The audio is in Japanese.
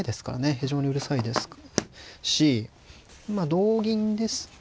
非常にうるさいですし同銀ですと。